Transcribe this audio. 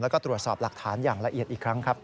แล้วก็ตรวจสอบหลักฐานอย่างละเอียดอีกครั้งครับ